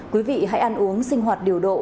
quý vị hãy ăn uống sinh hoạt điều độ